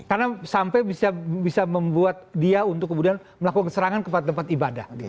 karena sampai bisa membuat dia untuk kemudian melakukan keserangan kepada tempat ibadah